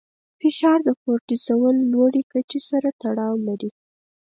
فشار د کورټیسول لوړې کچې سره تړاو لري.